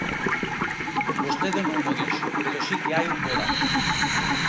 Vostede non mo dixo, pero si que hai un bo dato.